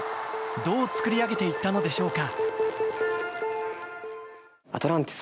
どう作り上げていったのでしょうか？